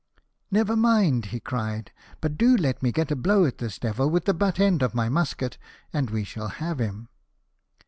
" Never mind," he cried ;" do but let me get a blow at this devil with the butt end of my musket, and we shall have him."